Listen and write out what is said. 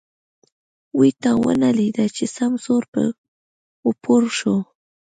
وی تا ونه ليده چې سم سور و پور شو.